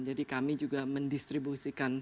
jadi kami juga mendistribusikan